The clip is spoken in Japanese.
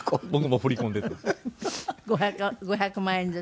５００万円ずつ？